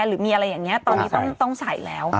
หรือมีอะไรอย่างนี้ตอนนี้ต้องใส่แล้ว